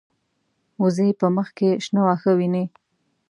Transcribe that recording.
وزې په مخ کې شنه واښه ویني